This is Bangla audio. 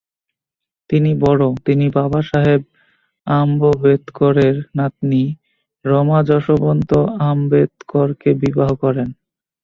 তিনি বড় তিনি বাবা সাহেব আম্ববেদকরের নাতনি রমাযশবন্ত আম্বেদকরকে বিবাহ করেন।